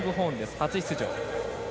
初出場。